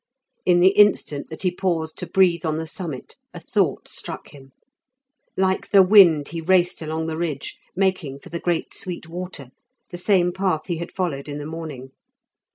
In the instant that he paused to breathe on the summit a thought struck him. Like the wind he raced along the ridge, making for the great Sweet Water, the same path he had followed in the morning.